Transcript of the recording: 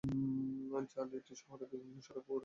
র্যা লিটি শহরের বিভিন্ন সড়ক ঘুরে পায়রা চত্বরে গিয়ে শেষ হয়।